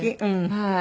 はい。